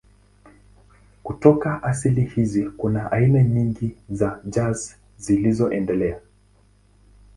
Kutoka asili hizi kuna aina nyingi za jazz zilizoendelea.